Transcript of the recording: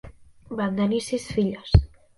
Van tenir sis filles.